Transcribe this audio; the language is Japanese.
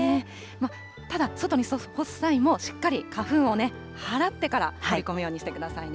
ただ、外に干す際も、しっかり花粉を払ってから取り込むようにしてくださいね。